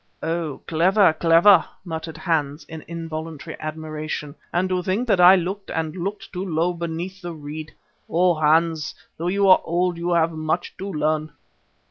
"Oh! clever, clever!" muttered Hans in involuntary admiration, "and to think that I looked and looked too low, beneath the reed. Oh! Hans, though you are old, you have much to learn."